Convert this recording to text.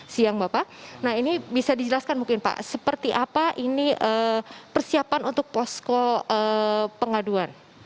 siang bapak nah ini bisa dijelaskan mungkin pak seperti apa ini persiapan untuk posko pengaduan